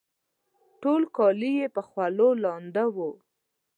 ټول کالي یې په خولو لانده وه